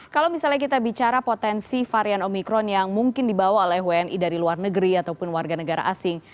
kalau misalnya kita bicara potensi varian omikron yang mungkin dibawa oleh wni dari luar negeri ataupun warga negara asing